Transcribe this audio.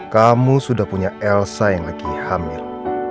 kamu sudah punya elsa yang lagi hamil